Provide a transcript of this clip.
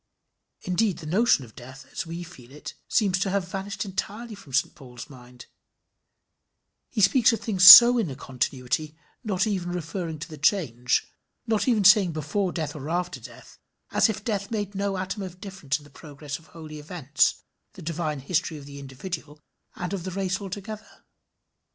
Indeed the notion of death, as we feel it, seems to have vanished entirely from St Paul's mind he speaks of things so in a continuity, not even referring to the change not even saying before death or after death, as if death made no atom of difference in the progress of holy events, the divine history of the individual and of the race together.